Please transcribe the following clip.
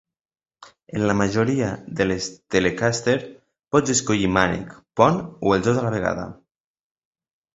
En la majoria de les Telecaster, pots escollir mànec, pont o els dos a la vegada.